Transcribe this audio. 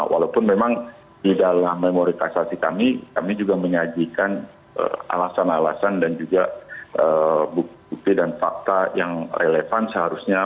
walaupun memang di dalam memori kasasi kami kami juga menyajikan alasan alasan dan juga bukti dan fakta yang relevan seharusnya